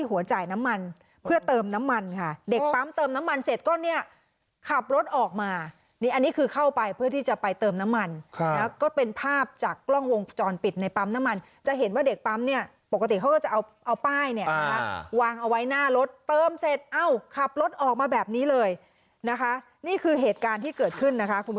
หัวจ่ายน้ำมันเพื่อเติมน้ำมันค่ะเด็กปั๊มเติมน้ำมันเสร็จก็เนี่ยขับรถออกมานี่อันนี้คือเข้าไปเพื่อที่จะไปเติมน้ำมันก็เป็นภาพจากกล้องวงจรปิดในปั๊มน้ำมันจะเห็นว่าเด็กปั๊มเนี่ยปกติเขาก็จะเอาเอาป้ายเนี่ยนะคะวางเอาไว้หน้ารถเติมเสร็จเอ้าขับรถออกมาแบบนี้เลยนะคะนี่คือเหตุการณ์ที่เกิดขึ้นนะคะคุณ